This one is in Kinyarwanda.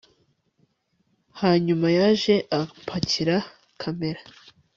hanyuma yaje apakira kamera